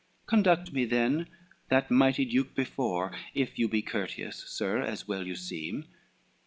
XXXVII "Conduct me then that mighty duke before, If you be courteous, sir, as well you seem."